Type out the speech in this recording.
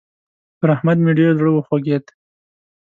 پر احمد مې ډېر زړه وخوږېد.